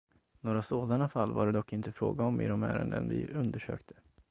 Några sådana fall var det dock inte fråga om i de ärenden vi undersökte.